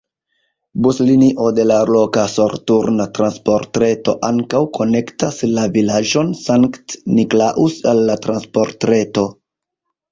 Buslinio de la loka soloturna transportreto ankaŭ konektas la vilaĝon Sankt-Niklaus al la transportreto.